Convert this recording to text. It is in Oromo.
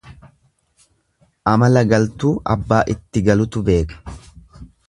Amala galtuu abbaa itti galutu beeka.